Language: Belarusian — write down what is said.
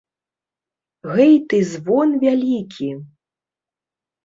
Гэй, ты, звон вялікі!